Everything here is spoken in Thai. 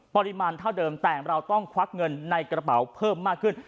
ปริมาณเท่าเดิมแต่เราต้องควักเงินในกระเป๋าเพิ่มมากขึ้น